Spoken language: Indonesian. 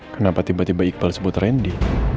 kenapa tiba tiba iqbal sebut randy